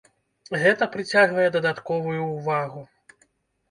Гэта прыцягвае дадатковую ўвагу.